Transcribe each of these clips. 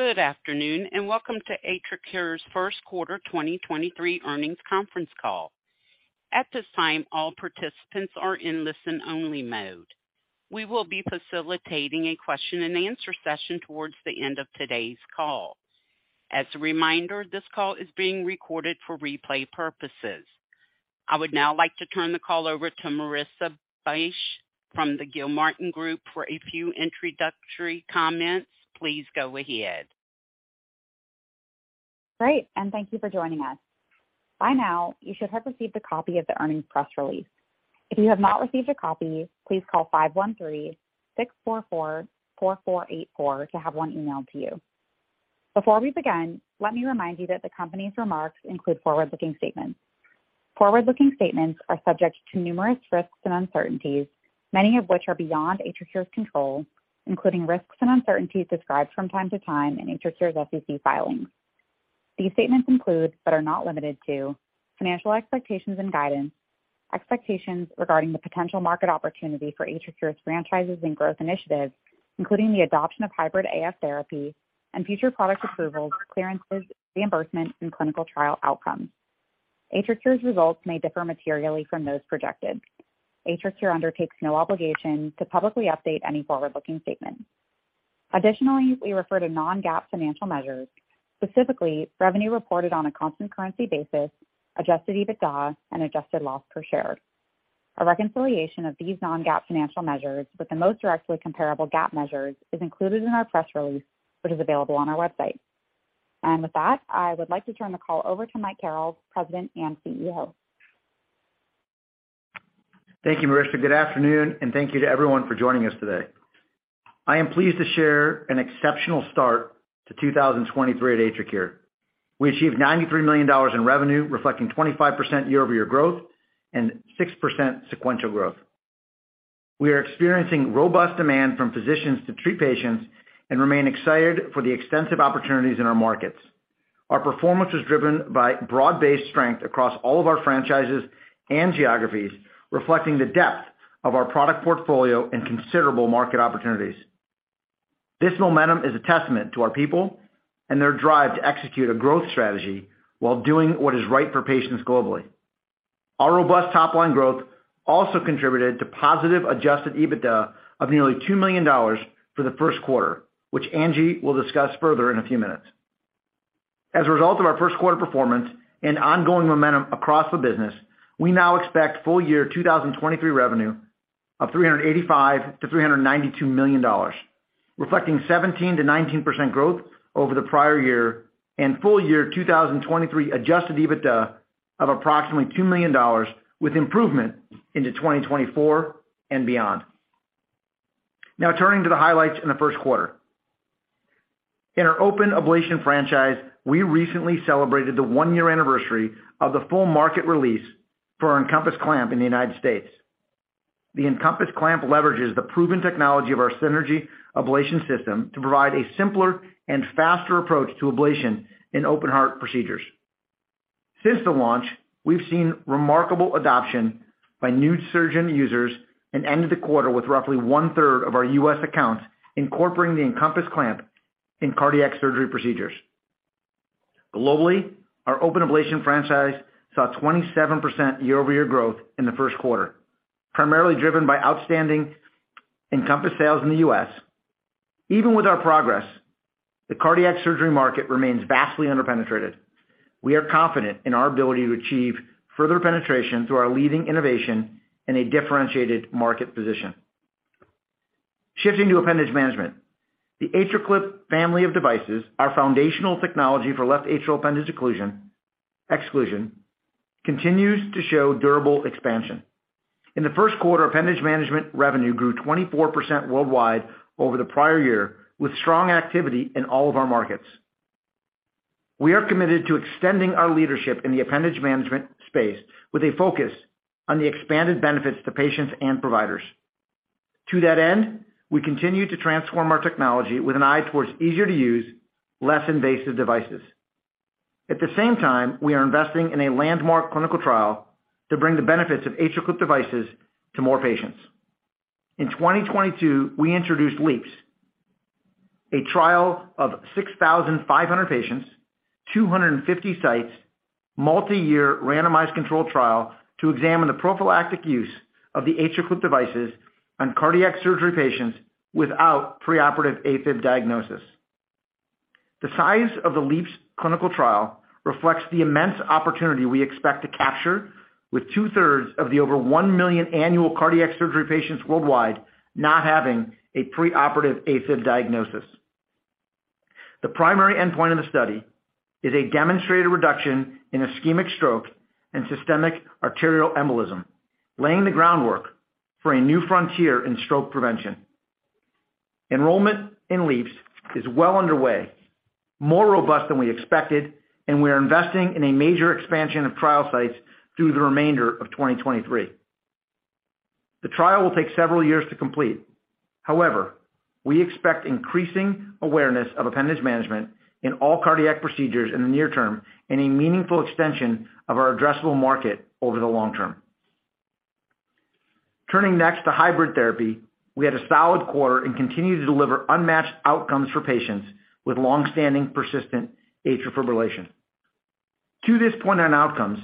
Good afternoon, welcome to AtriCure's First Quarter 2023 Earnings Conference Call. At this time, all participants are in listen-only mode. We will be facilitating a question and answer session towards the end of today's call. As a reminder, this call is being recorded for replay purposes. I would now like to turn the call over to Marissa Bych from the Gilmartin Group for a few introductory comments. Please go ahead. Great, thank you for joining us. By now, you should have received a copy of the earnings press release. If you have not received a copy, please call 513-644-4484 to have one emailed to you. Before we begin, let me remind you that the company's remarks include forward-looking statements. Forward-looking statements are subject to numerous risks and uncertainties, many of which are beyond AtriCure's control, including risks and uncertainties described from time to time in AtriCure's SEC filings. These statements include, but are not limited to, financial expectations and guidance, expectations regarding the potential market opportunity for AtriCure's franchises and growth initiatives, including the adoption of hybrid Afib therapy and future product approvals, clearances, reimbursements, and clinical trial outcomes. AtriCure's results may differ materially from those projected. AtriCure undertakes no obligation to publicly update any forward-looking statement. Additionally, we refer to non-GAAP financial measures, specifically revenue reported on a constant currency basis, Adjusted EBITDA, and adjusted loss per share. A reconciliation of these non-GAAP financial measures with the most directly comparable GAAP measures is included in our press release, which is available on our website. With that, I would like to turn the call over to Mike Carrel, President and CEO. Thank you, Marissa. Good afternoon, and thank you to everyone for joining us today. I am pleased to share an exceptional start to 2023 at AtriCure. We achieved $93 million in revenue, reflecting 25% year-over-year growth and 6% sequential growth. We are experiencing robust demand from physicians to treat patients and remain excited for the extensive opportunities in our markets. Our performance was driven by broad-based strength across all of our franchises and geographies, reflecting the depth of our product portfolio and considerable market opportunities. This momentum is a testament to our people and their drive to execute a growth strategy while doing what is right for patients globally. Our robust top-line growth also contributed to positive Adjusted EBITDA of nearly $2 million for the first quarter, which Angie will discuss further in a few minutes. As a result of our first quarter performance and ongoing momentum across the business, we now expect full year 2023 revenue of $385 million-$392 million, reflecting 17%-19% growth over the prior year and full year 2023 Adjusted EBITDA of approximately $2 million with improvement into 2024 and beyond. Turning to the highlights in the first quarter. In our open ablation franchise, we recently celebrated the one-year anniversary of the full market release for our EnCompass clamp in the United States. The EnCompass clamp leverages the proven technology of our Synergy ablation system to provide a simpler and faster approach to ablation in open heart procedures. Since the launch, we've seen remarkable adoption by new surgeon users and ended the quarter with roughly 1/3 of our U.S. accounts incorporating the EnCompass clamp in cardiac surgery procedures. Globally, our open ablation franchise saw 27% year-over-year growth in the first quarter, primarily driven by outstanding EnCompass sales in the U.S. Even with our progress, the cardiac surgery market remains vastly under-penetrated. We are confident in our ability to achieve further penetration through our leading innovation and a differentiated market position. Shifting to appendage management. The AtriClip family of devices, our foundational technology for left atrial appendage occlusion, exclusion, continues to show durable expansion. In the first quarter, appendage management revenue grew 24% worldwide over the prior year, with strong activity in all of our markets. We are committed to extending our leadership in the appendage management space with a focus on the expanded benefits to patients and providers. To that end, we continue to transform our technology with an eye towards easier to use, less invasive devices. At the same time, we are investing in a landmark clinical trial to bring the benefits of AtriClip devices to more patients. In 2022, we introduced LEAPS, a trial of 6,500 patients, 250 sites, multi-year randomized controlled trial to examine the prophylactic use of the AtriClip devices on cardiac surgery patients without preoperative Afib diagnosis. The size of the LEAPS clinical trial reflects the immense opportunity we expect to capture with two-thirds of the over 1 million annual cardiac surgery patients worldwide not having a preoperative Afib diagnosis. The primary endpoint of the study is a demonstrated reduction in ischemic stroke and systemic arterial embolism, laying the groundwork for a new frontier in stroke prevention. Enrollment in LEAPS is well underway, more robust than we expected, and we are investing in a major expansion of trial sites through the remainder of 2023. The trial will take several years to complete. However, we expect increasing awareness of appendage management in all cardiac procedures in the near term and a meaningful extension of our addressable market over the long term. Turning next to hybrid therapy, we had a solid quarter and continued to deliver unmatched outcomes for patients with long-standing persistent Afib. To this point on outcomes,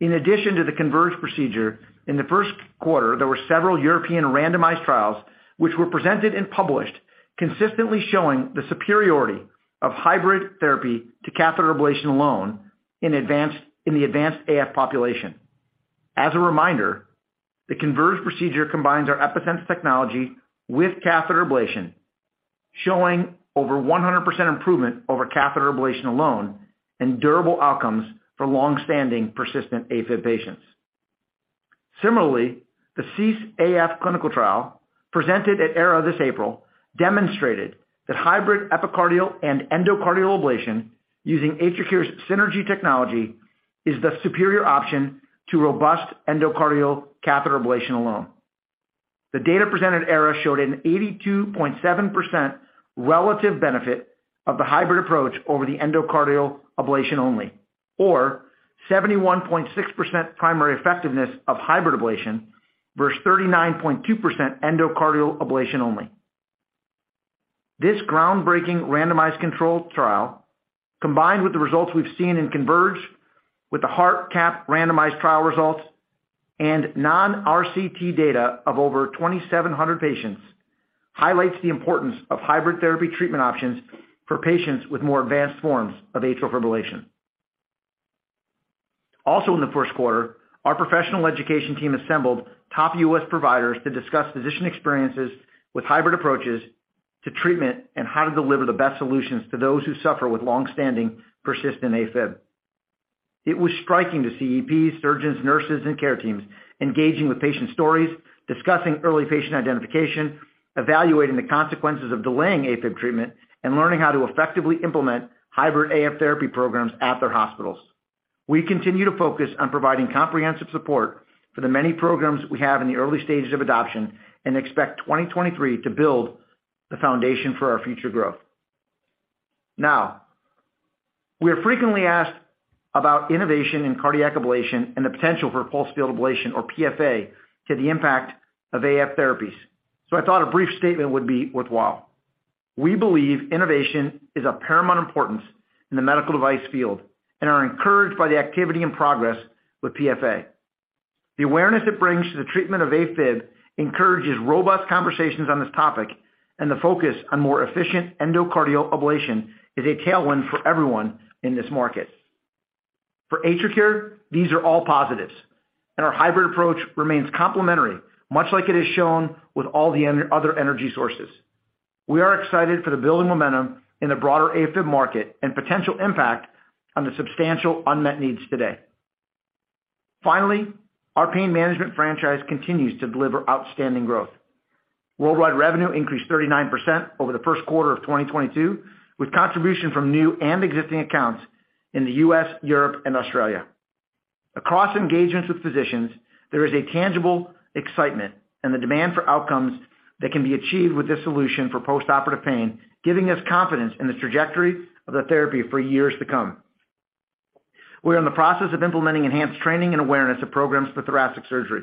in addition to the CONVERGE procedure, in the first quarter, there were several European randomized trials which were presented and published consistently showing the superiority of hybrid therapy to catheter ablation alone in the advanced Afib population. As a reminder, the CONVERGE procedure combines our EPi-Sense technology with catheter ablation, showing over 100% improvement over catheter ablation alone and durable outcomes for long-standing persistent Afib patients. Similarly, the CEASE-AF clinical trial presented at EHRA this April demonstrated that hybrid epicardial and endocardial ablation using AtriCure's Synergy technology is the superior option to robust endocardial catheter ablation alone. The data presented at EHRA showed an 82.7% relative benefit of the hybrid approach over the endocardial ablation only, or 71.6% primary effectiveness of hybrid ablation versus 39.2% endocardial ablation only. This groundbreaking randomized controlled trial, combined with the results we've seen in CONVERGE with the HARTCAP-AF randomized trial results and non-RCT data of over 2,700 patients, highlights the importance of hybrid therapy treatment options for patients with more advanced forms of atrial fibrillation. In the first quarter, our professional education team assembled top U.S. providers to discuss physician experiences with hybrid approaches to treatment and how to deliver the best solutions to those who suffer with long-standing persistent Afib. It was striking to see EPs, surgeons, nurses, and care teams engaging with patient stories, discussing early patient identification, evaluating the consequences of delaying Afib treatment, and learning how to effectively implement hybrid AF therapy programs at their hospitals. We continue to focus on providing comprehensive support for the many programs we have in the early stages of adoption and expect 2023 to build the foundation for our future growth. We are frequently asked about innovation in cardiac ablation and the potential for pulsed field ablation or PFA to the impact of Afib therapies. I thought a brief statement would be worthwhile. We believe innovation is of paramount importance in the medical device field and are encouraged by the activity and progress with PFA. The awareness it brings to the treatment of Afib encourages robust conversations on this topic, and the focus on more efficient endocardial ablation is a tailwind for everyone in this market. For AtriCure, these are all positives, and our hybrid approach remains complementary, much like it has shown with all the other energy sources. We are excited for the building momentum in the broader Afib market and potential impact on the substantial unmet needs today. Our pain management franchise continues to deliver outstanding growth. Worldwide revenue increased 39% over the first quarter of 2022, with contribution from new and existing accounts in the U.S., Europe, and Australia. Across engagements with physicians, there is a tangible excitement and the demand for outcomes that can be achieved with this solution for postoperative pain, giving us confidence in the trajectory of the therapy for years to come. We are in the process of implementing enhanced training and awareness of programs for thoracic surgery.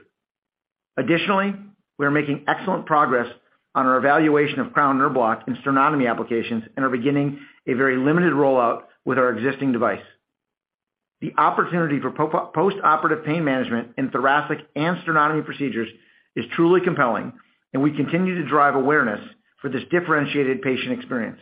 Additionally, we are making excellent progress on our evaluation of Cryo Nerve Block in sternotomy applications and are beginning a very limited rollout with our existing device. The opportunity for post-operative pain management in thoracic and sternotomy procedures is truly compelling, and we continue to drive awareness for this differentiated patient experience.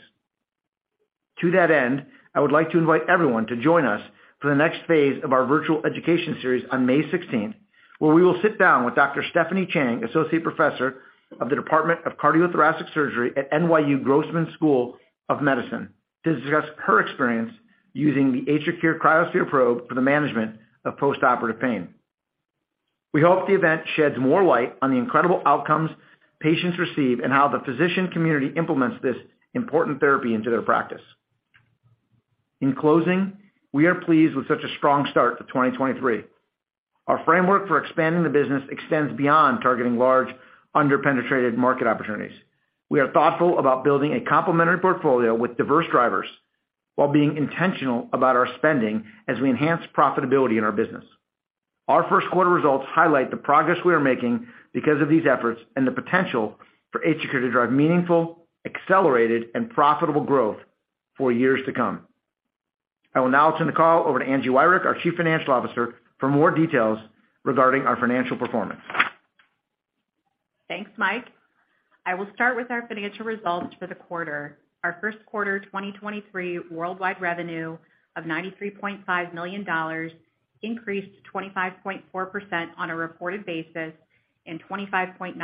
To that end, I would like to invite everyone to join us for the next phase of our virtual education series on May 16th, where we will sit down with Dr. Stephanie Chang, Associate Professor of the Department of Cardiothoracic Surgery at NYU Grossman School of Medicine, to discuss her experience using the AtriCure cryoSPHERE probe for the management of postoperative pain. We hope the event sheds more light on the incredible outcomes patients receive and how the physician community implements this important therapy into their practice. In closing, we are pleased with such a strong start to 2023. Our framework for expanding the business extends beyond targeting large under-penetrated market opportunities. We are thoughtful about building a complementary portfolio with diverse drivers while being intentional about our spending as we enhance profitability in our business. Our first quarter results highlight the progress we are making because of these efforts and the potential for AtriCure to drive meaningful, accelerated, and profitable growth for years to come. I will now turn the call over to Angie Wirick, our Chief Financial Officer, for more details regarding our financial performance. Thanks, Mike. I will start with our financial results for the quarter. Our first quarter 2023 worldwide revenue of $93.5 million increased to 25.4% on a reported basis and 25.9%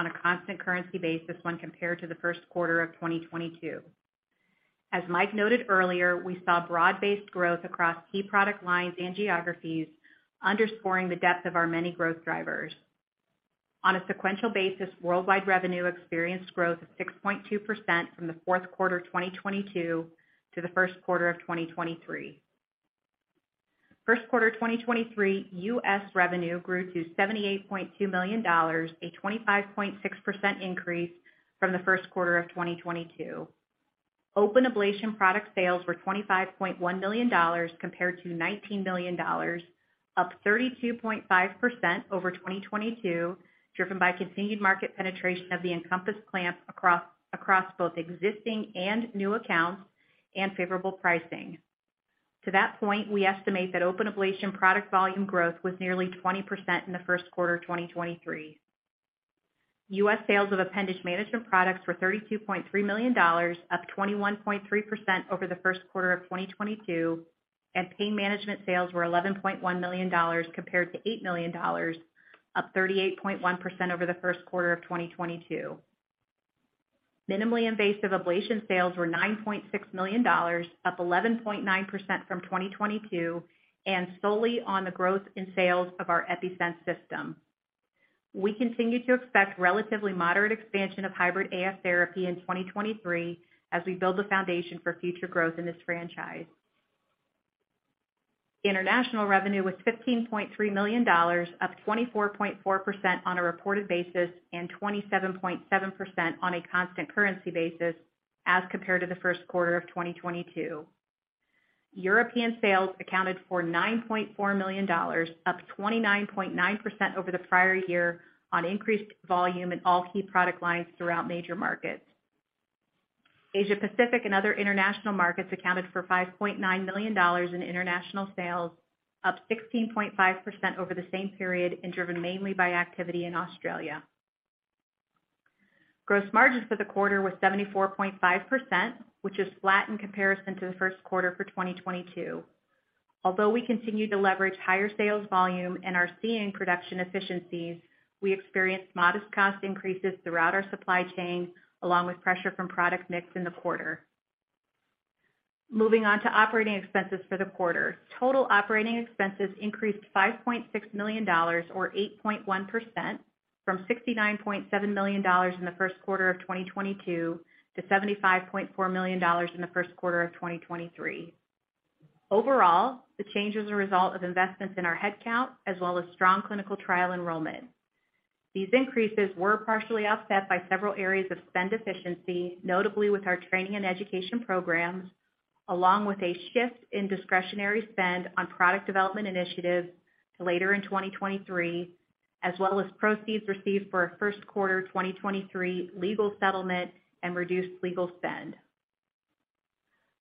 on a constant currency basis when compared to the first quarter of 2022. As Mike noted earlier, we saw broad-based growth across key product lines and geographies, underscoring the depth of our many growth drivers. On a sequential basis, worldwide revenue experienced growth of 6.2% from the fourth quarter 2022 to the first quarter of 2023. First quarter 2023 U.S. revenue grew to $78.2 million, a 25.6% increase from the first quarter of 2022. Open ablation product sales were $25.1 million compared to $19 million, up 32.5% over 2022, driven by continued market penetration of the EnCompass clamp across both existing and new accounts and favorable pricing. To that point, we estimate that open ablation product volume growth was nearly 20% in the first quarter of 2023. U.S. sales of appendage management products were $32.3 million, up 21.3% over the first quarter of 2022, and pain management sales were $11.1 million compared to $8 million, up 38.1% over the first quarter of 2022. Minimally invasive ablation sales were $9.6 million, up 11.9% from 2022, and solely on the growth in sales of our EPi-Sense system. We continue to expect relatively moderate expansion of hybrid Afib therapy in 2023 as we build the foundation for future growth in this franchise. International revenue was $15.3 million, up 24.4% on a reported basis, and 27.7% on a constant currency basis as compared to the first quarter of 2022. European sales accounted for $9.4 million, up 29.9% over the prior year on increased volume in all key product lines throughout major markets. Asia-Pacific and other international markets accounted for $5.9 million in international sales, up 16.5% over the same period and driven mainly by activity in Australia. Gross margins for the quarter were 74.5%, which is flat in comparison to the first quarter for 2022. Although we continue to leverage higher sales volume and are seeing production efficiencies, we experienced modest cost increases throughout our supply chain, along with pressure from product mix in the quarter. Moving on to operating expenses for the quarter. Total operating expenses increased $5.6 million or 8.1% from $69.7 million in the first quarter of 2022 to $75.4 million in the first quarter of 2023. Overall, the change is a result of investments in our headcount as well as strong clinical trial enrollment. These increases were partially offset by several areas of spend efficiency, notably with our training and education programs, along with a shift in discretionary spend on product development initiatives to later in 2023, as well as proceeds received for our first quarter 2023 legal settlement and reduced legal spend.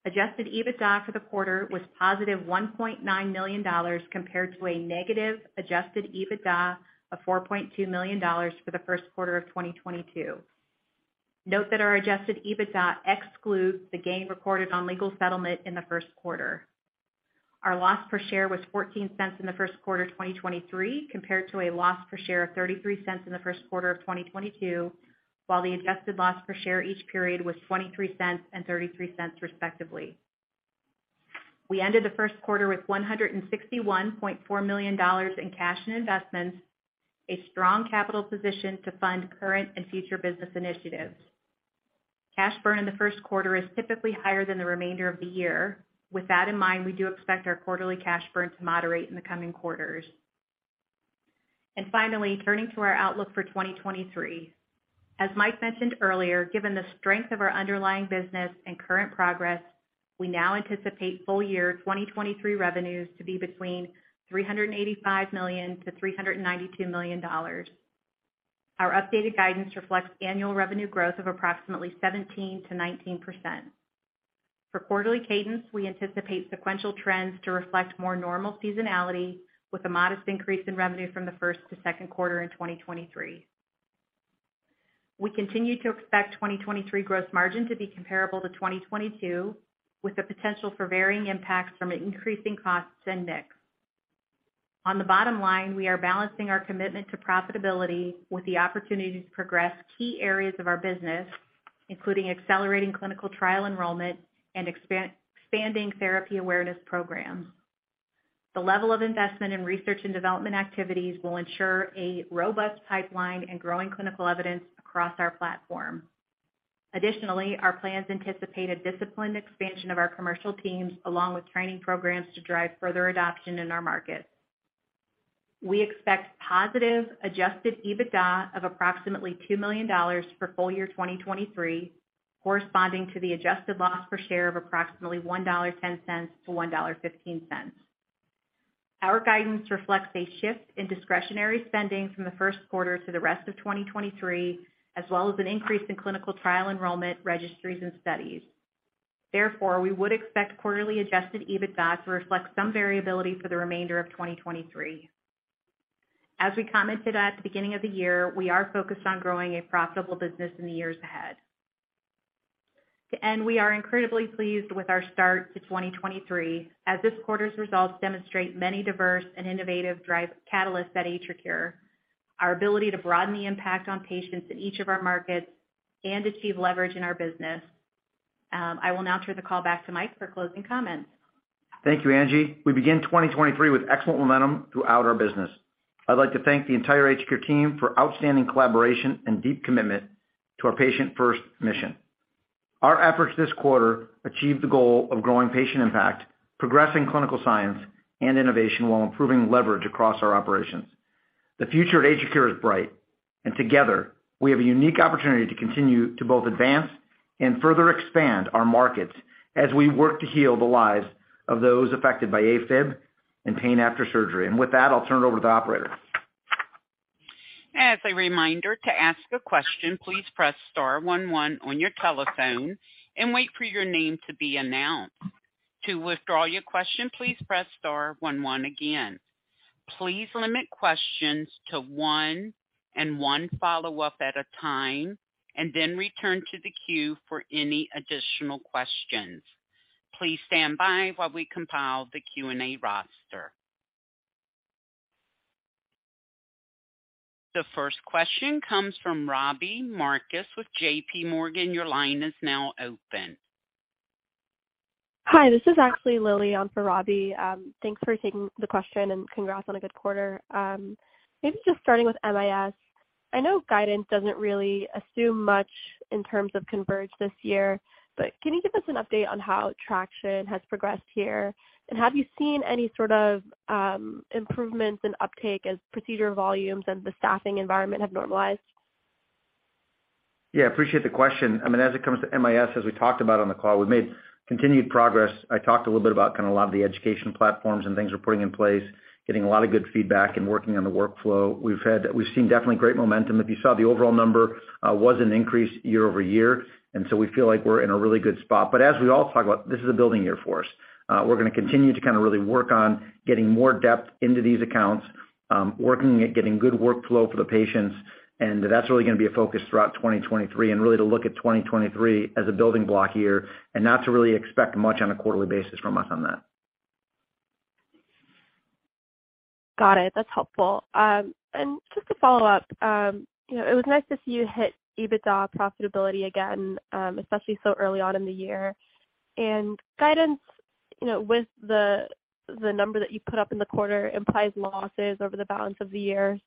Adjusted EBITDA for the quarter was positive $1.9 million compared to a negative Adjusted EBITDA of $4.2 million for the first quarter of 2022. Note that our Adjusted EBITDA excludes the gain recorded on legal settlement in the first quarter. Our loss per share was $0.14 in the first quarter of 2023, compared to a loss per share of $0.33 in the first quarter of 2022, while the adjusted loss per share each period was $0.23 and $0.33, respectively. We ended the first quarter with $161.4 million in cash and investments, a strong capital position to fund current and future business initiatives. Cash burn in the first quarter is typically higher than the remainder of the year. With that in mind, we do expect our quarterly cash burn to moderate in the coming quarters. Finally, turning to our outlook for 2023. As Mike mentioned earlier, given the strength of our underlying business and current progress, we now anticipate full year 2023 revenues to be between $385 million-$392 million. Our updated guidance reflects annual revenue growth of approximately 17%-19%. For quarterly cadence, we anticipate sequential trends to reflect more normal seasonality with a modest increase in revenue from the first to second quarter in 2023. We continue to expect 2023 gross margin to be comparable to 2022, with the potential for varying impacts from increasing costs and mix. On the bottom line, we are balancing our commitment to profitability with the opportunity to progress key areas of our business, including accelerating clinical trial enrollment and expanding therapy awareness programs. The level of investment in research and development activities will ensure a robust pipeline and growing clinical evidence across our platform. Our plans anticipate a disciplined expansion of our commercial teams along with training programs to drive further adoption in our markets. We expect positive Adjusted EBITDA of approximately $2 million for full year 2023, corresponding to the adjusted loss per share of approximately $1.10-$1.15. Our guidance reflects a shift in discretionary spending from the first quarter to the rest of 2023, as well as an increase in clinical trial enrollment, registries, and studies. We would expect quarterly Adjusted EBITDA to reflect some variability for the remainder of 2023. As we commented at the beginning of the year, we are focused on growing a profitable business in the years ahead. To end, we are incredibly pleased with our start to 2023, as this quarter's results demonstrate many diverse and innovative drive catalysts at AtriCure, our ability to broaden the impact on patients in each of our markets and achieve leverage in our business. I will now turn the call back to Mike for closing comments. Thank you, Angie. We begin 2023 with excellent momentum throughout our business. I'd like to thank the entire AtriCure team for outstanding collaboration and deep commitment to our patient-first mission. Our efforts this quarter achieved the goal of growing patient impact, progressing clinical science and innovation while improving leverage across our operations. The future at AtriCure is bright, and together we have a unique opportunity to continue to both advance and further expand our markets as we work to heal the lives of those affected by Afib and pain after surgery. With that, I'll turn it over to the operator. As a reminder, to ask a question, please press star one one on your telephone and wait for your name to be announced. To withdraw your question, please press star one one again. Please limit questions to one and one follow-up at a time, and then return to the queue for any additional questions. Please stand by while we compile the Q&A roster. The first question comes from Robbie Marcus with J.P. Morgan. Your line is now open. Hi, this is actually Lily on for Robbie. Thanks for taking the question and congrats on a good quarter. Maybe just starting with MIS. I know guidance doesn't really assume much in terms of CONVERGE this year, but can you give us an update on how traction has progressed here? Have you seen any sort of improvements in uptake as procedure volumes and the staffing environment have normalized? Yeah, I appreciate the question. I mean, as it comes to MIS, as we talked about on the call, we've made continued progress. I talked a little bit about kind of a lot of the education platforms and things we're putting in place, getting a lot of good feedback and working on the workflow. We've seen definitely great momentum. If you saw the overall number was an increase year-over-year, we feel like we're in a really good spot. As we all talk about, this is a building year for us. We're going to continue to kind of really work on getting more depth into these accounts, working at getting good workflow for the patients, and that's really going to be a focus throughout 2023 and really to look at 2023 as a building block year and not to really expect much on a quarterly basis from us on that. Got it. That's helpful. Just to follow up, you know, it was nice to see you hit EBITDA profitability again, especially so early on in the year. Guidance, you know, with the number that you put up in the quarter implies losses over the balance of the year.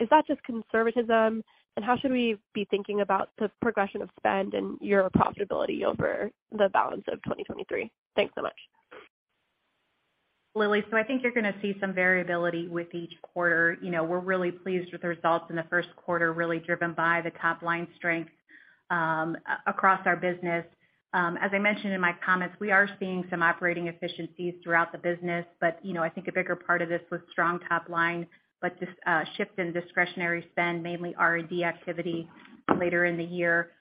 Is that just conservatism? How should we be thinking about the progression of spend and your profitability over the balance of 2023? Thanks so much. Lily, I think you're going to see some variability with each quarter. You know, we're really pleased with the results in the first quarter, really driven by the top line strength across our business. As I mentioned in my comments, we are seeing some operating efficiencies throughout the business, but you know, I think a bigger part of this was strong top line, but this shift in discretionary spend, mainly R&D activity later in the year.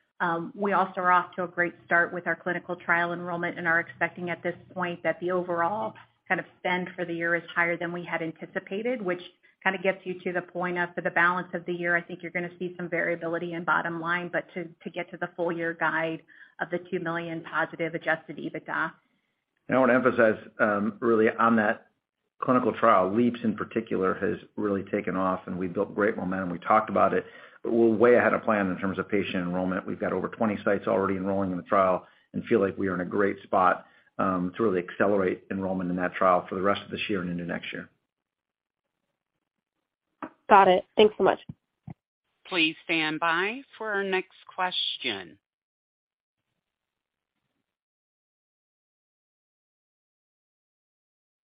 We also are off to a great start with our clinical trial enrollment and are expecting at this point that the overall kind of spend for the year is higher than we had anticipated, which kind of gets you to the point of for the balance of the year, I think you're going to see some variability in bottom line, but to get to the full year guide of the $2 million positive Adjusted EBITDA. I want to emphasize, really on that clinical trial, LEAPS in particular has really taken off and we've built great momentum. We talked about it. We're way ahead of plan in terms of patient enrollment. We've got over 20 sites already enrolling in the trial and feel like we are in a great spot, to really accelerate enrollment in that trial for the rest of this year and into next year. Got it. Thanks so much. Please stand by for our next question.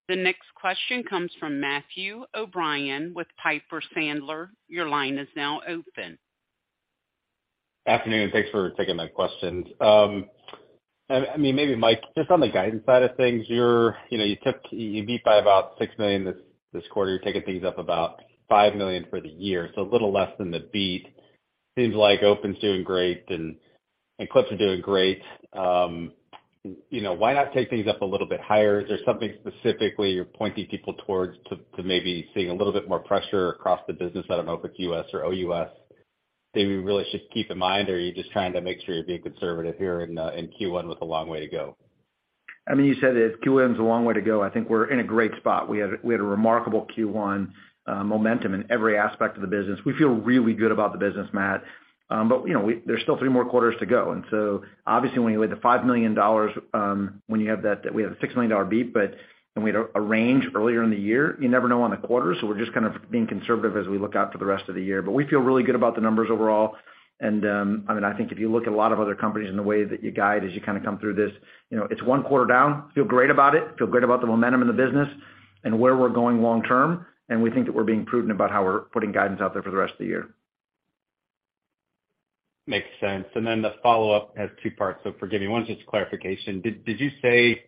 The next question comes from Matthew O'Brien with Piper Sandler. Your line is now open. Afternoon. Thanks for taking my questions. I mean, maybe Mike, just on the guidance side of things, you're, you beat by about $6 million this quarter. You're taking things up about $5 million for the year, so a little less than the beat. Seems like Open's doing great and clips are doing great. You know, why not take things up a little bit higher? Is there something specifically you're pointing people towards to maybe seeing a little bit more pressure across the business? I don't know if it's U.S. or OUS, maybe we really should keep in mind, or are you just trying to make sure you're being conservative here in Q1 with a long way to go? I mean, you said it. Q1's a long way to go. I think we're in a great spot. We had a remarkable Q1, momentum in every aspect of the business. We feel really good about the business, Matt. But you know, there's still three more quarters to go. Obviously when you lay the $5 million, when you have that, we have a $6 million beat, and we had a range earlier in the year, you never know on the quarter. We're just kind of being conservative as we look out for the rest of the year. We feel really good about the numbers overall. I mean, I think if you look at a lot of other companies and the way that you guide as you kind of come through this, you know, it's one quarter down. Feel great about it. Feel great about the momentum of the business and where we're going long term. We think that we're being prudent about how we're putting guidance out there for the rest of the year. Makes sense. The follow-up has two parts, so forgive me. One's just clarification. Did you say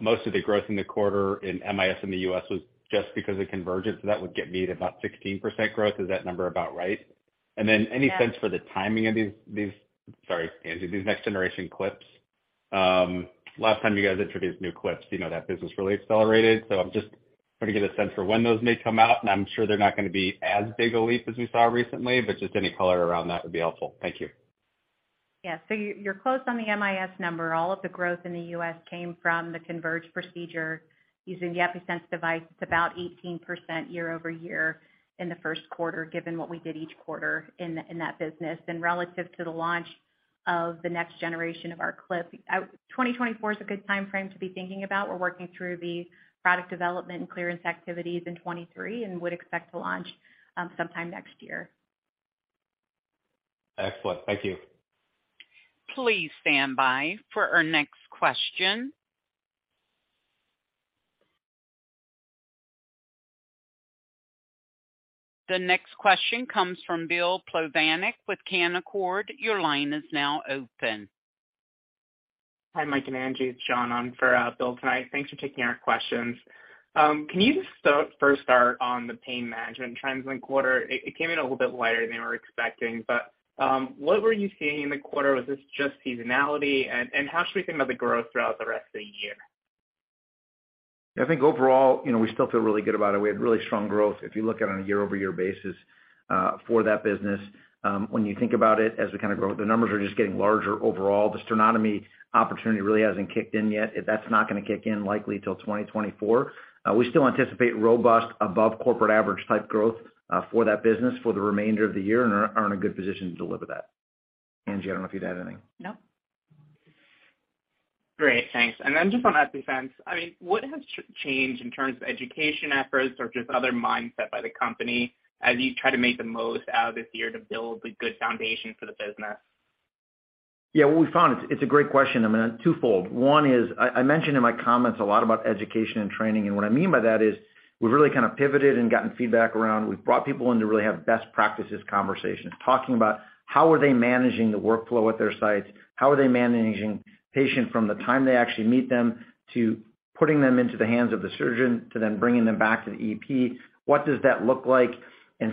most of the growth in the quarter in MIS in the U.S. was just because of CONVERGE? That would get me to about 16% growth. Is that number about right? Yes. Any sense for the timing of these, sorry, Angie, these next generation clips? Last time you guys introduced new clips, you know, that business really accelerated. I'm just trying to get a sense for when those may come out. I'm sure they're not going to be as big a leap as we saw recently, but just any color around that would be helpful. Thank you. You're close on the MIS number. All of the growth in the U.S. came from the CONVERGE procedure using the EPi-Sense device. It's about 18% year-over-year in the first quarter, given what we did each quarter in that business. Relative to the launch of the next generation of our clip, I would 2024 is a good timeframe to be thinking about. We're working through the product development and clearance activities in 2023 and would expect to launch sometime next year. Excellent. Thank you. Please stand by for our next question. The next question comes from Bill Plovanic with Canaccord. Your line is now open. Hi, Mike and Angie. It's John on for Bill tonight. Thanks for taking our questions. Can you just first start on the pain management trends in the quarter? It came in a little bit lighter than we were expecting, but what were you seeing in the quarter? Was this just seasonality? How should we think about the growth throughout the rest of the year? I think overall, you know, we still feel really good about it. We had really strong growth, if you look at it on a year-over-year basis for that business. When you think about it as a kind of growth, the numbers are just getting larger overall. The sternotomy opportunity really hasn't kicked in yet. That's not gonna kick in likely till 2024. We still anticipate robust above corporate average type growth for that business for the remainder of the year and are in a good position to deliver that. Angie, I don't know if you'd add anything. No. Great. Thanks. Just on EPi-Sense, I mean, what has changed in terms of education efforts or just other mindset by the company as you try to make the most out of this year to build a good foundation for the business? Yeah. What we found, it's a great question. I mean, twofold. One is I mentioned in my comments a lot about education and training. What I mean by that is we've really kind of pivoted and gotten feedback around. We've brought people in to really have best practices conversations, talking about how are they managing the workflow at their sites? How are they managing patient from the time they actually meet them to putting them into the hands of the surgeon, to then bringing them back to the EP? What does that look like?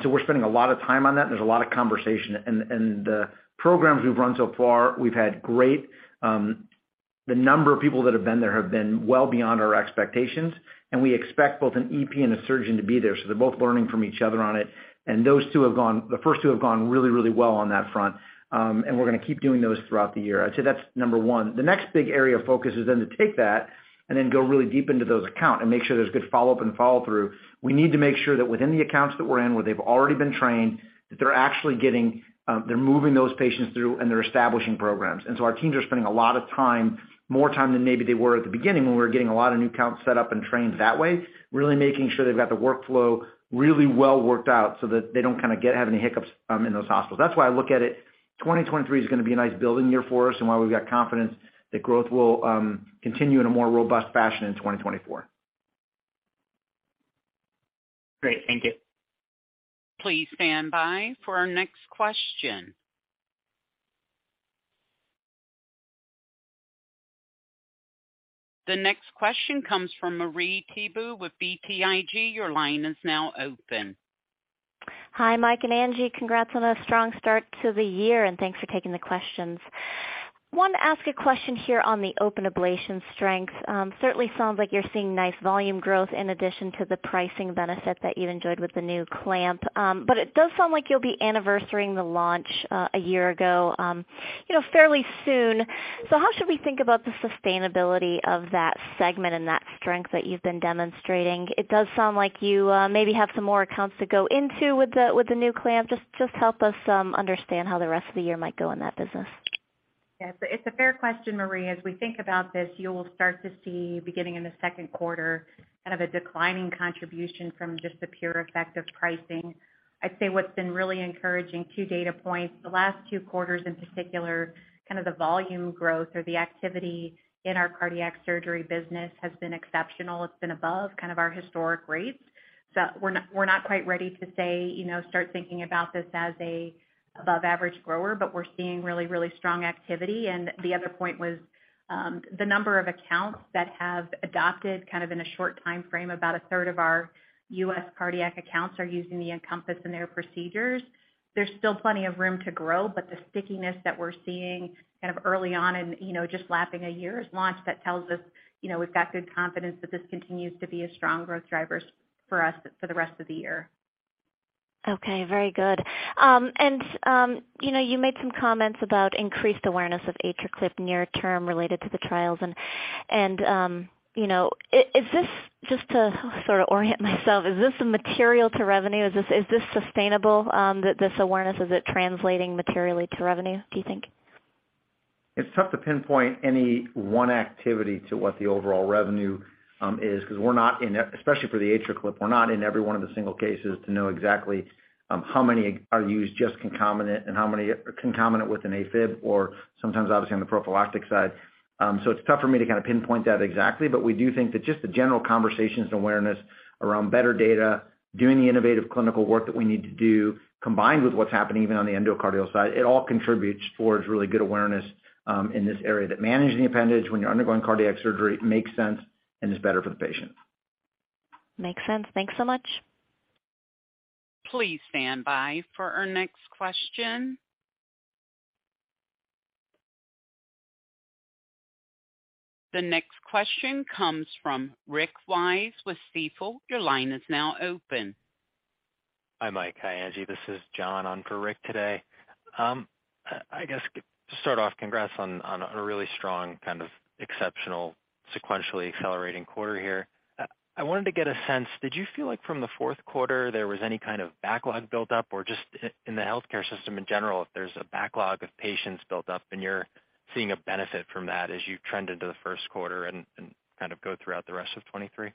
We're spending a lot of time on that, and there's a lot of conversation. The programs we've run so far, we've had great. The number of people that have been there have been well beyond our expectations. We expect both an EP and a surgeon to be there, so they're both learning from each other on it. The first two have gone really, really well on that front, and we're gonna keep doing those throughout the year. I'd say that's number one. The next big area of focus is then to take that and then go really deep into those account and make sure there's good follow-up and follow-through. We need to make sure that within the accounts that we're in, where they've already been trained, that they're actually getting, they're moving those patients through and they're establishing programs. Our teams are spending a lot of time, more time than maybe they were at the beginning, when we were getting a lot of new accounts set up and trained that way, really making sure they've got the workflow really well worked out so that they don't kind of have any hiccups in those hospitals. That's why I look at it, 2023 is gonna be a nice building year for us and why we've got confidence that growth will continue in a more robust fashion in 2024. Great. Thank you. Please stand by for our next question. The next question comes from Marie Thibault with BTIG. Your line is now open. Hi, Mike and Angie. Congrats on a strong start to the year. Thanks for taking the questions. Wanted to ask a question here on the open ablation strength. Certainly sounds like you're seeing nice volume growth in addition to the pricing benefit that you enjoyed with the new clamp. It does sound like you'll be anniversarying the launch, a year ago, you know, fairly soon. How should we think about the sustainability of that segment and that strength that you've been demonstrating? It does sound like you maybe have some more accounts to go into with the, with the new clamp. Just help us understand how the rest of the year might go in that business. It's a fair question, Marie. As we think about this, you'll start to see, beginning in the second quarter, kind of a declining contribution from just the pure effect of pricing. I'd say what's been really encouraging, two data points, the last two quarters in particular, kind of the volume growth or the activity in our cardiac surgery business has been exceptional. It's been above kind of our historic rates. We're not quite ready to say, you know, start thinking about this as a above average grower, but we're seeing really, really strong activity. The other point was, the number of accounts that have adopted kind of in a short timeframe, about a third of our U.S. cardiac accounts are using the EnCompass in their procedures. There's still plenty of room to grow, but the stickiness that we're seeing kind of early on and, you know, just lapping a year's launch, that tells us, you know, we've got good confidence that this continues to be a strong growth drivers for us for the rest of the year. Okay. Very good. You know, you made some comments about increased awareness of AtriClip near term related to the trials and, you know, is this, just to sort of orient myself, is this material to revenue? Is this, is this sustainable, this awareness? Is it translating materially to revenue, do you think? It's tough to pinpoint any one activity to what the overall revenue is because we're not in especially for the AtriClip, we're not in every one of the single cases to know exactly how many are used just concomitant and how many are concomitant with an Afib or sometimes obviously on the prophylactic side. It's tough for me to kind of pinpoint that exactly. We do think that just the general conversations and awareness around better data, doing the innovative clinical work that we need to do, combined with what's happening even on the endocardial side, it all contributes towards really good awareness in this area that managing the appendage when you're undergoing cardiac surgery makes sense and is better for the patient. Makes sense. Thanks so much. Please stand by for our next question. The next question comes from John McAulay with Stifel. Your line is now open. Hi, Mike. Hi, Angie. This is John on for Rick today. I guess to start off, congrats on a really strong, kind of exceptional sequentially accelerating quarter here. I wanted to get a sense, did you feel like from the fourth quarter there was any kind of backlog built up or just in the healthcare system in general, if there's a backlog of patients built up and you're seeing a benefit from that as you trend into the first quarter and kind of go throughout the rest of 2023?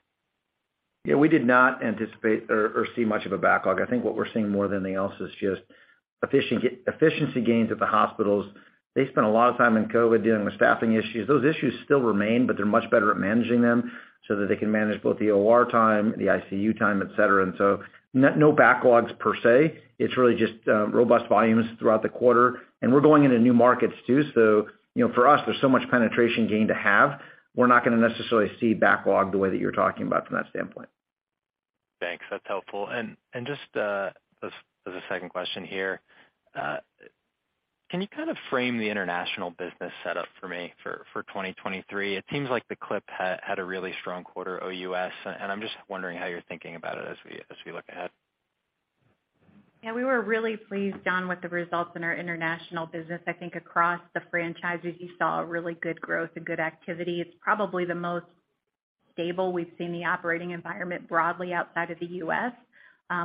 Yeah, we did not anticipate or see much of a backlog. I think what we're seeing more than else is just efficient efficiency gains at the hospitals. They spent a lot of time in COVID dealing with staffing issues. Those issues still remain, but they're much better at managing them so that they can manage both the OR time, the ICU time, et cetera. No backlogs per se. It's really just robust volumes throughout the quarter, we're going into new markets too. You know, for us, there's so much penetration gain to have, we're not going to necessarily see backlog the way that you're talking about from that standpoint. Thanks. That's helpful. Just as a second question here, can you kind of frame the international business setup for me for 2023? It seems like the AtriClip had a really strong quarter OUS, and I'm just wondering how you're thinking about it as we look ahead. We were really pleased, Don, with the results in our international business. I think across the franchises, you saw really good growth and good activity. It's probably the most stable we've seen the operating environment broadly outside of the U.S.,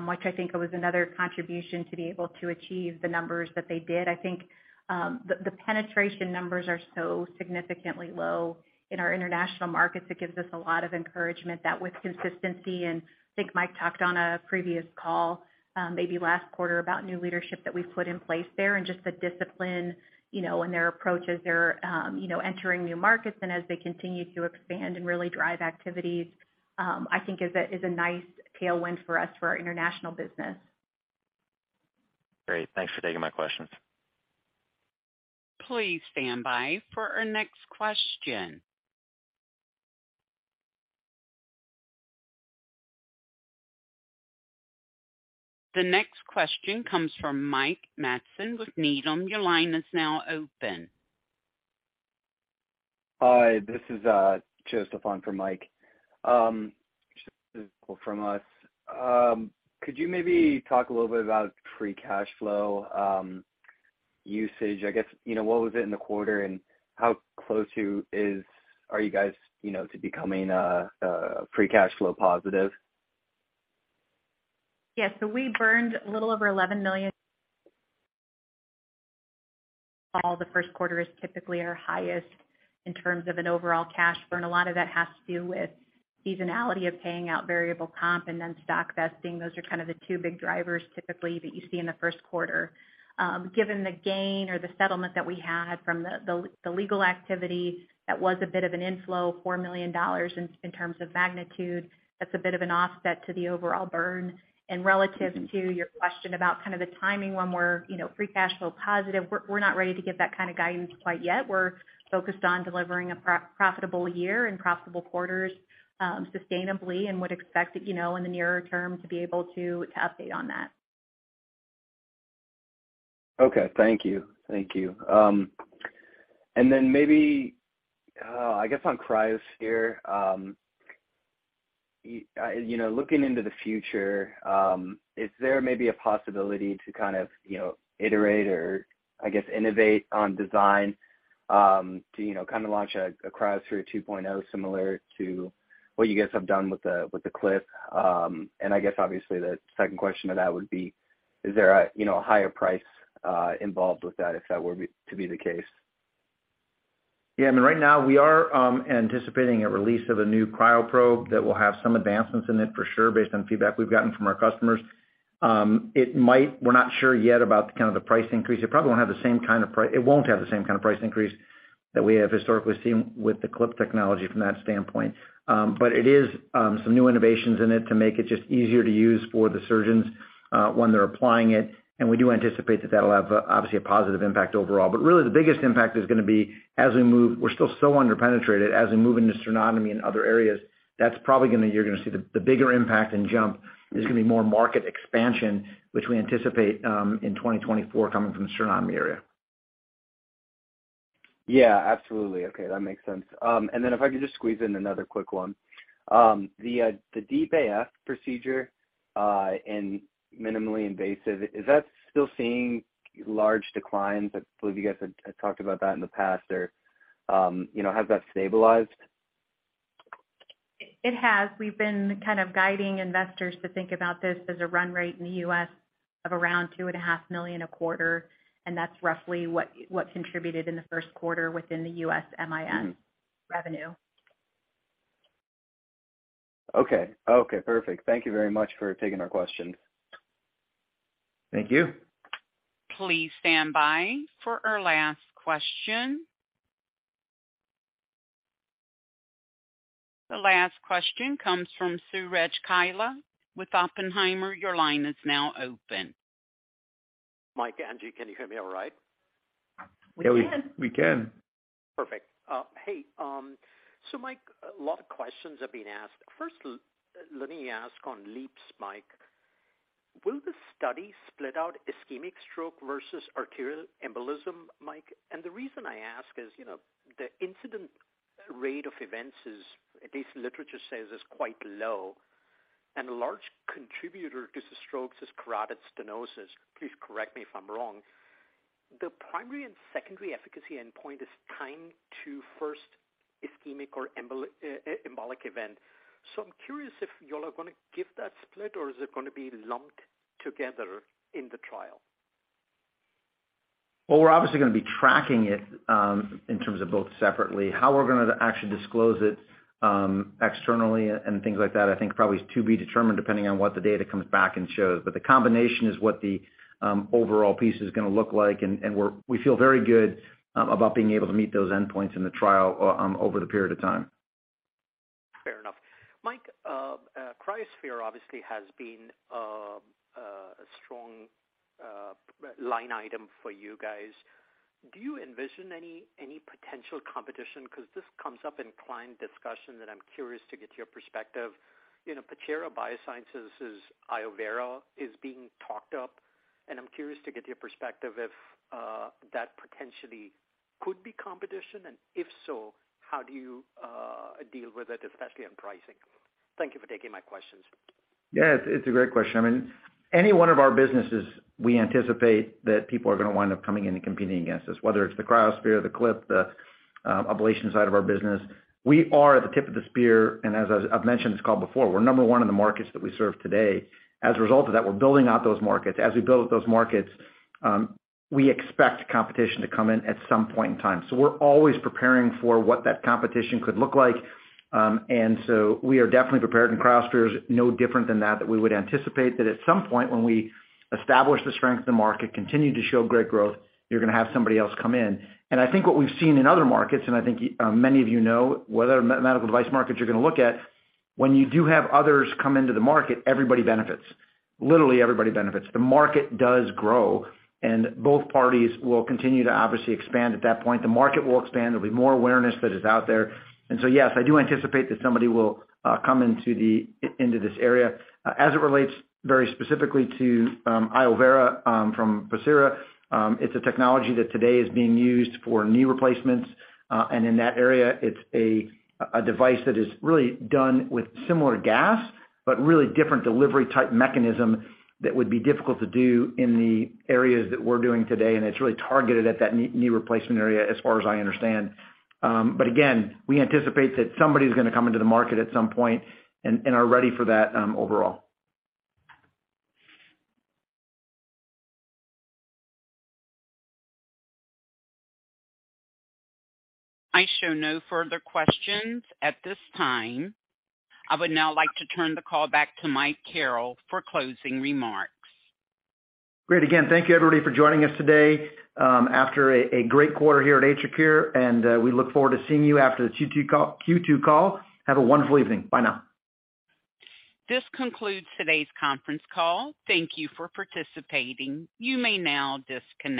which I think it was another contribution to be able to achieve the numbers that they did. I think the penetration numbers are so significantly low in our international markets. It gives us a lot of encouragement that with consistency, and I think Mike talked on a previous call, maybe last quarter about new leadership that we put in place there and just the discipline, you know, and their approaches. They're, you know, entering new markets and as they continue to expand and really drive activities, I think is a, is a nice tailwind for us for our international business. Great. Thanks for taking my questions. Please stand by for our next question. The next question comes from Mike Matson with Needham. Your line is now open. Hi, this is just a phone for Mike. from us. Could you maybe talk a little bit about free cash flow usage? I guess, you know, what was it in the quarter, and how close are you guys, you know, to becoming free cash flow positive? Yes. We burned a little over $11 million all the first quarter is typically our highest in terms of an overall cash burn. A lot of that has to do with seasonality of paying out variable comp and then stock vesting. Those are kind of the two big drivers typically that you see in the first quarter. Given the gain or the settlement that we had from the legal activity, that was a bit of an inflow, $4 million in terms of magnitude. That's a bit of an offset to the overall burn. Relative to your question about kind of the timing when we're, you know, free cash flow positive, we're not ready to give that kind of guidance quite yet. We're focused on delivering a pro-profitable year and profitable quarters, sustainably and would expect that, you know, in the nearer term to be able to update on that. Okay. Thank you. Thank you. Then maybe, I guess on cryoSPHERE, you know, looking into the future, is there maybe a possibility to kind of, you know, iterate or I guess innovate on design, to, you know, kind of launch a cryoSPHERE 2.0 similar to what you guys have done with the, with the AtriClip? I guess obviously the second question to that would be, is there a, you know, a higher price, involved with that if that were to be the case? I mean, right now we are anticipating a release of a new cryo probe that will have some advancements in it for sure based on feedback we've gotten from our customers. We're not sure yet about the kind of the price increase. It probably won't have the same kind of price increase that we have historically seen with the clip technology from that standpoint. It is some new innovations in it to make it just easier to use for the surgeons when they're applying it. We do anticipate that that'll have, obviously, a positive impact overall. Really the biggest impact is going to be as we move... We're still so underpenetrated. As we move into sternotomy and other areas, that's probably gonna you're gonna see the bigger impact and jump is gonna be more market expansion, which we anticipate in 2024 coming from the sternotomy area. Yeah, absolutely. Okay, that makes sense. If I could just squeeze in another quick one. The DEEP AF procedure, and minimally invasive, is that still seeing large declines? I believe you guys had talked about that in the past or, you know, has that stabilized? It has. We've been kind of guiding investors to think about this as a run rate in the U.S. of around 2.5 million a quarter, and that's roughly what contributed in the first quarter within the U.S. MIN revenue. Okay. Okay, perfect. Thank you very much for taking our questions. Thank you. Please stand by for our last question. The last question comes from Suraj Kalia with Oppenheimer. Your line is now open. Mike, Angie, can you hear me all right? We can. We can. Perfect. Hey, Mike, a lot of questions have been asked. First, let me ask on LEAPS, Mike. Will the study split out ischemic stroke versus arterial embolism, Mike? The reason I ask is, you know, the incident rate of events is, at least literature says, is quite low, and a large contributor to strokes is carotid stenosis. Please correct me if I'm wrong. The primary and secondary efficacy endpoint is time to first ischemic or embolic event. I'm curious if y'all are gonna give that split or is it gonna be lumped together in the trial? Well, we're obviously gonna be tracking it in terms of both separately. How we're gonna actually disclose it externally and things like that, I think probably is to be determined depending on what the data comes back and shows. The combination is what the overall piece is gonna look like, and we feel very good about being able to meet those endpoints in the trial over the period of time. Fair enough. Mike, cryoSPHERE obviously has been a strong line item for you guys. Do you envision any potential competition? Because this comes up in client discussion that I'm curious to get your perspective. You know, Pacira BioSciences' iovera is being talked up, and I'm curious to get your perspective if that potentially could be competition, and if so, how do you deal with it, especially on pricing. Thank you for taking my questions. Yeah. It's a great question. I mean, any one of our businesses, we anticipate that people are gonna wind up coming in and competing against us, whether it's the cryoSPHERE, the clip, the ablation side of our business. We are at the tip of the spear, and as I've mentioned this call before, we're number one in the markets that we serve today. As a result of that, we're building out those markets. As we build up those markets, we expect competition to come in at some point in time. We're always preparing for what that competition could look like. We are definitely prepared, and cryoSPHERE is no different than that we would anticipate that at some point when we establish the strength of the market, continue to show great growth, you're gonna have somebody else come in. I think what we've seen in other markets, and I think many of you know, whatever medical device market you're gonna look at, when you do have others come into the market, everybody benefits. Literally, everybody benefits. The market does grow, and both parties will continue to obviously expand at that point. The market will expand. There'll be more awareness that is out there. Yes, I do anticipate that somebody will come into this area. As it relates very specifically to iovera, from Pacira, it's a technology that today is being used for knee replacements. In that area, it's a device that is really done with similar gas, but really different delivery type mechanism that would be difficult to do in the areas that we're doing today, and it's really targeted at that knee replacement area as far as I understand. Again, we anticipate that somebody's gonna come into the market at some point and are ready for that overall. I show no further questions at this time. I would now like to turn the call back to Mike Carrel for closing remarks. Great. Again, thank you everybody for joining us today, after a great quarter here at AtriCure. We look forward to seeing you after the Q2 call. Have a wonderful evening. Bye now. This concludes today's conference call. Thank you for participating. You may now disconnect.